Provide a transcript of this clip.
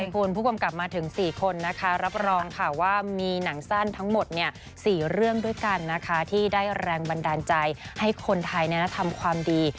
คุณผู้กำกับมาถึง๔คนนะคะรับรองค่ะว่ามีหนังสั้นทั้งหมด๔เรื่องด้วยกันนะคะที่ได้แรงบันดาลใจให้คนไทยทำความดี